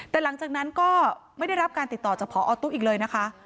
แต่หลังจากนั้นก็ไม่ได้รับการติดต่อจากพอตุ๊อีกเลยนะคะ